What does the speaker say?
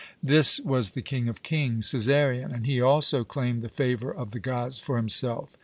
This was the "King of kings," Cæsarion, and he also claimed the favour of the gods for himself.